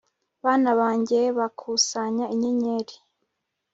Bana banjye bakusanya inyenyeri